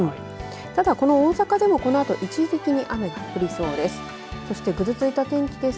ただ、この大阪でもこのあと一時的に雨が降りそうです。